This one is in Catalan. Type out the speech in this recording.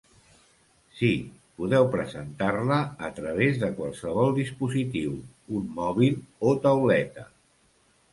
Sí, podeu presentar-la a través de qualsevol dispositiu: un mòbil o tauleta.